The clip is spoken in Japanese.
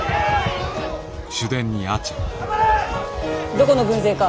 どこの軍勢か。